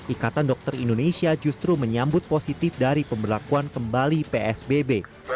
ikatan dokter indonesia justru menyambut positif dari pemberlakuan kembali psbb